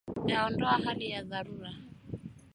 Yaondoa hali ya dharura.